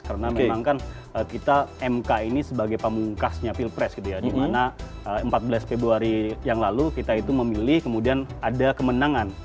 karena memang kan kita mk ini sebagai pamungkasnya pilpres gitu ya di mana empat belas februari yang lalu kita itu memilih kemudian ada kemenangan